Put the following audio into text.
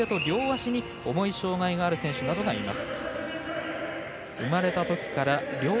片腕と両足に重い障がいがある選手などがいます。